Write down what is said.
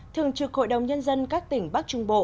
thường trực hội đồng nhân dân các tỉnh bắc trung bộ